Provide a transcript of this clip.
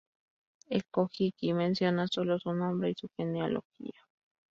El "Kojiki" menciona sólo su nombre y su genealogía.